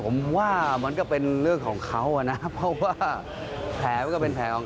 ผมว่ามันก็เป็นเรื่องของเขาอ่ะนะเพราะว่าแผลมันก็เป็นแผลของ